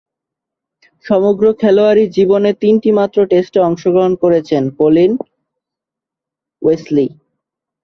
সমগ্র খেলোয়াড়ী জীবনে তিনটিমাত্র টেস্টে অংশগ্রহণ করেছেন কলিন ওয়েসলি।